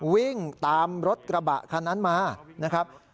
วิ่งตามรถกระบะคันนั้นมา